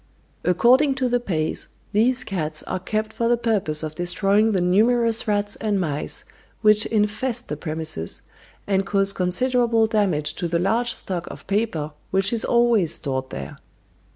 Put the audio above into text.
According to the Pays these cats are kept for the purpose of destroying the numerous rats and mice which infest the premises, and cause considerable damage to the large stock of paper which is always stored there.